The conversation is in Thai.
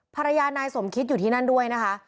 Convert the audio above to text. ภรรยานายสมคิดอยู่ที่นั่นด้วยนะคะ